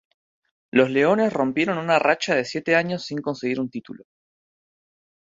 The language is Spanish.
Los Leones rompieron una racha de siete años sin conseguir un título.